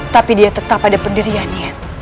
tapi dia tetap ada pendiriannya